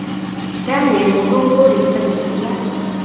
chamiet ng'un ko u koristo nechulat